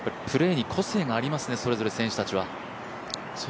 プレーに個性がありますね、それぞれ選手たちは。